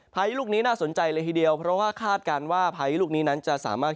พายุลูกนี้น่าสนใจเลยทีเดียวเพราะว่าคาดการณ์ว่าพายุลูกนี้นั้นจะสามารถ